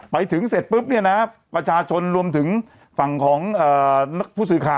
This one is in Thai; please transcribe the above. ไปถึงเสร็จปุ๊บเนี่ยนะประชาชนรวมถึงฝั่งของผู้สื่อข่าว